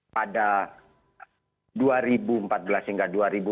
pada dua ribu empat belas hingga dua ribu dua puluh